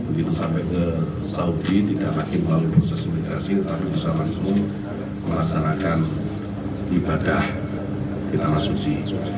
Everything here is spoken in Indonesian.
begitu sampai ke saudi tidak lagi melalui proses imigrasi tetapi bisa langsung melaksanakan ibadah di tanah suci